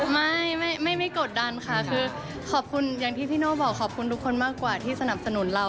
ไม่ไม่กดดันค่ะคือขอบคุณอย่างที่พี่โน่บอกขอบคุณทุกคนมากกว่าที่สนับสนุนเรา